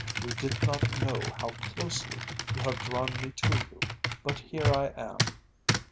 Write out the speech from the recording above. You did not know how closely you have drawn me to you, but here I am."